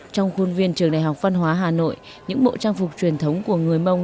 trong khuôn viên trường đại học văn hóa hà nội những bộ trang phục truyền thống của người mông